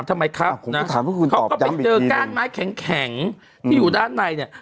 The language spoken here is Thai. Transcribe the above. ผมก็ถามเพื่อกูตอบย้ำอีกทีเขาก็ไปเจอการไม้แข็งแข็งที่อยู่ด้านในเนี้ย